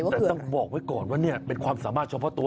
แต่ต้องบอกไว้ก่อนว่าความสามารถชมข้าวตัว